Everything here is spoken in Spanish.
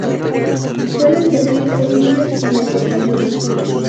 Suelen servirse tibios en el desayuno.